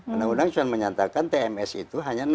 undang undang cuma menyatakan tms itu hanya